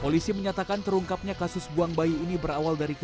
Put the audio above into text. polisi menyatakan terungkapnya kasus buang bayi ini berawal dari korban